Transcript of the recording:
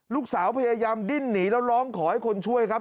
ลูกสาวพยายามดิ้นหนีแล้วร้องขอให้คนช่วยครับ